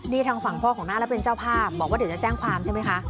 นี่ทางฝั่งพ่อของน้าและเป็นเจ้าภาพบอกว่าเดี๋ยวจะแจ้งความใช่ไหมคะ